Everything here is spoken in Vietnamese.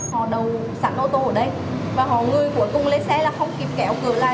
họ đầu sẵn ô tô ở đây và họ người cuối cùng lên xe là không kịp kéo cửa lại